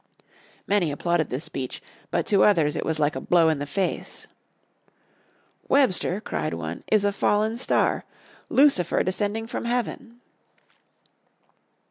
Many applauded this speech, but to others it was like a blow in the face. "Webster," cried one, "is a fallen star! Lucifer descending from heaven!"